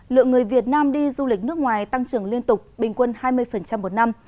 lượng người việt nam đi du lịch nước ngoài tăng trưởng liên tục bình quân hai mươi một năm